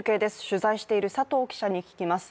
取材している佐藤記者に聞きます。